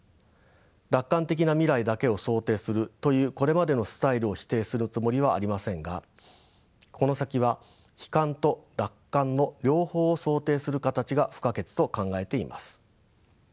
楽観的な未来だけを想定するというこれまでのスタイルを否定するつもりはありませんがこの先は悲観と楽観の両方を想定する形が不可欠と考えています。